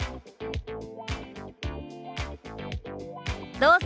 どうぞ。